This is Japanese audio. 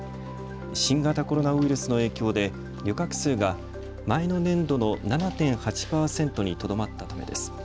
新型コロナウイルスの影響で旅客数が前の年度の７．８％にとどまったためです。